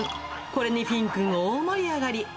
これにフィンくん、大盛り上がり。